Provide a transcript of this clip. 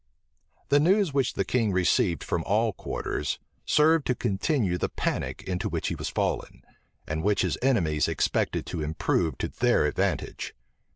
The news which the king received from all quarters, served to continue the panic into which he was fallen, and which his enemies expected to improve to their advantage.